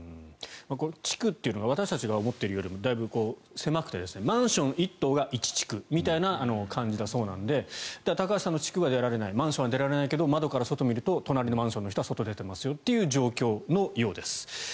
地区というのが私たちが思っているよりもだいぶ狭くてマンション１棟が１地区みたいな感じだそうなので高橋さんの地区は出られないマンションから出られないけど窓から外を見ると隣のマンションの人は外に出てますという状況のようです。